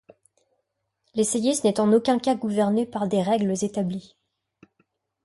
L'essayiste n’est en aucun cas gouverné par des règles établies.